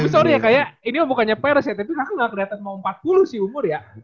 tapi sorry ya kayak ini bukannya paris ya tapi kakak nggak kelihatan mau empat puluh sih umur ya